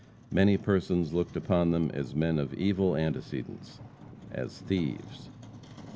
Many persons looked upon them as men of evil antecedents as thieves.